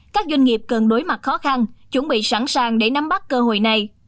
các doanh nghiệp cần đối mặt khó khăn chuẩn bị sẵn sàng để nắm bắt cơ hội này